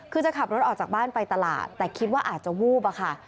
คือจะขับรถออกจากบ้านไปตลาดแต่คิดว่าอาจจะวูบอะค่ะ